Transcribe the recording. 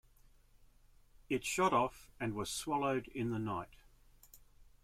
It shot off and was swallowed in the night.